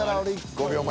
５秒前。